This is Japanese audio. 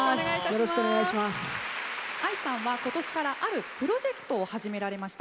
ＡＩさんは、今年からあるプロジェクトを始められました。